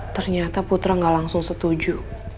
ternyata putra nggak langsung setuju